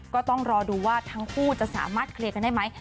ก็ต้องรอดูว่าทั้งคู่จะสามารถเคลียร์กันได้ไหม